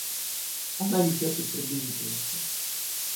Она не терпит приблизительности.